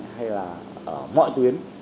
hay là mọi tuyến